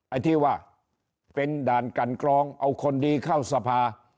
ไอ้ที่ว่าเป็นด่านกันกรองเอาคนดีเข้าสภา